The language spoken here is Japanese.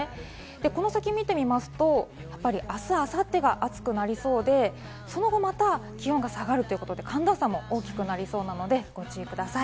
この先、見てみますと、明日、明後日が暑くなりそうで、その後また気温が下がるということで、寒暖差も大きくなりそうなので、ご注意ください。